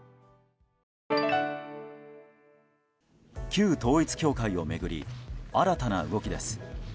旧統一教会を巡り新たな動きです。